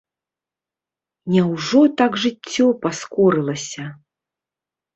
Няўжо так жыццё паскорылася?